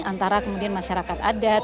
antara kemudian masyarakat adat